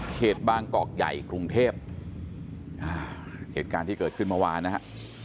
เขตบางกอกใหญ่กรุงเทพคราบเกิดขึ้นเมืองวานนะฮะ